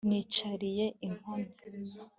Nicariye inkoni